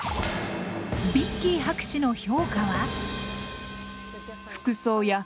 ヴィッキー博士の評価は？